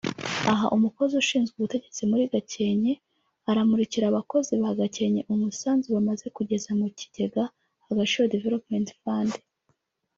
Aha umukozi ushinzwe ubutegetsi muri Gakenke aramurikira abakozi ba Gakenke umusanzu bamaze kugeza mu kigega Agaciro Development Fund